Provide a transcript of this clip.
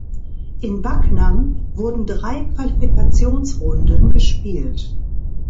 In Backnang wurden drei Qualifikationsrunden gespielt.